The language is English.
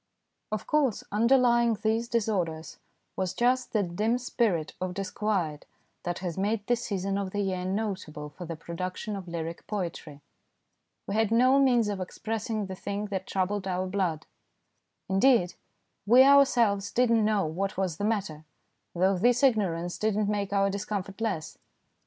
Of course, underlying these disorders was just that dim spirit of disquiet that has made this season of the year notable for the production of lyric poetry. We had no means of expressing the thing that troubled 54 THE DAY BEFORE YESTERDAY our blood. Indeed, we ourselves did not know what was the matter, though this ignorance did not make our discomfort less.